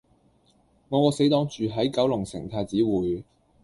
我個死黨住喺九龍城太子匯